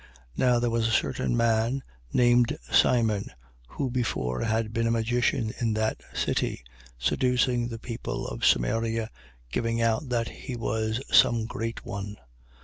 Now there was a certain man named Simon who before had been a magician in that city, seducing the people of Samaria, giving out that he was some great one: 8:10.